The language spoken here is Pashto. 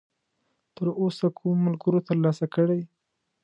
تراوسه کومو ملګرو ترلاسه کړی!؟